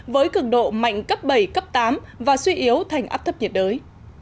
với cường độ mạnh cấp bảy cấp tám và suy yếu thành áp thấp nhiệt đới